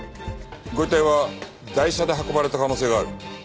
ご遺体は台車で運ばれた可能性がある。